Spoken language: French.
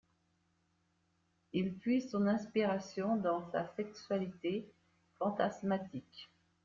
Il puise son inspiration dans sa sexualité fantasmatique.